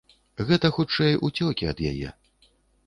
Гэта, хутчэй, уцёкі ад яе.